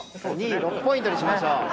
２位６ポイントにしましょう。